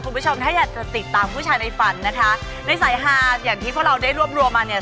คุณผู้ชมถ้าอยากจะติดตามผู้ชายในฝันนะคะในสายฮาอย่างที่พวกเราได้รวบรวมมาเนี่ย